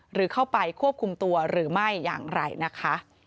หรือเข้าไปควบคุมตัวหรือไม่อย่างไรนะคะ